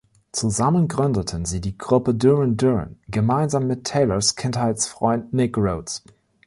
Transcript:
Zusammen gründeten sie die Gruppe Duran Duran, gemeinsam mit Taylors Kindheitsfreund Nick Rhodes.